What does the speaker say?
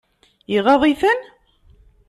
Iɣaḍ-iten?